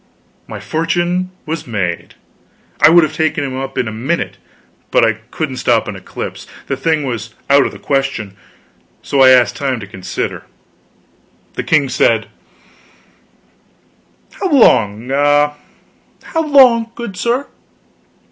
My fortune was made. I would have taken him up in a minute, but I couldn't stop an eclipse; the thing was out of the question. So I asked time to consider. The king said: "How long ah, how long, good sir?